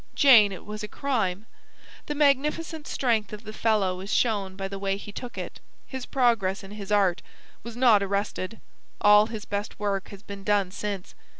Jane it was a crime. The magnificent strength of the fellow is shown by the way he took it. His progress in his art was not arrested. All his best work has been done since.